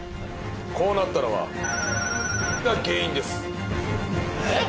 こうなったのはが原因ですえっ？